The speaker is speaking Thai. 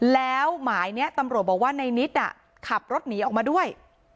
แล้วหมายนี้ตำรวจบอกว่าในนิดขับรถหนีออกมาด้วย